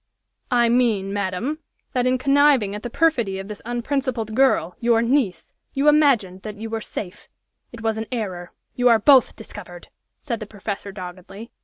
"I mean, madam, that in conniving at the perfidy of this unprincipled girl, your niece, you imagined that you were safe. It was an error. You are both discovered!" said the professor, doggedly.